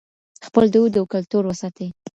خپل دود او کلتور وساتئ.